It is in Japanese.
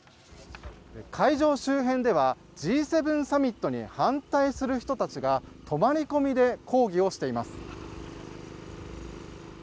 「会場周辺ではＧ７サミットの開催に反対する人たちが泊まり込みで抗議しています」